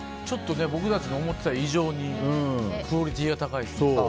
僕たちの思っていた以上にクオリティーが高いですね。